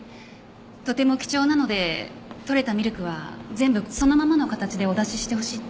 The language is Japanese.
とても貴重なのでとれたミルクは全部そのままの形でお出ししてほしいって。